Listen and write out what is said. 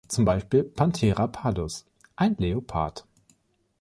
Zum Beispiel „Panthera pardus“, ein Leopard.